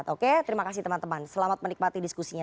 oke terima kasih teman teman selamat menikmati diskusinya